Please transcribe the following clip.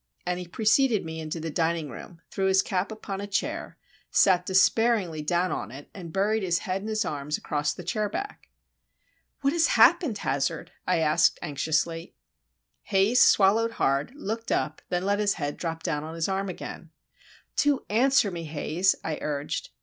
And he preceded me into the dining room, threw his cap upon a chair, sat despairingly down on it, and buried his head in his arms across the chair back. "What has happened, Hazard?" I asked, anxiously. Haze swallowed hard, looked up, and then let his head drop down on his arm again. "Do answer me, Haze," I urged.